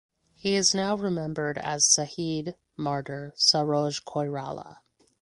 He is now remembered as Saheed (martyr) Saroj Koirala.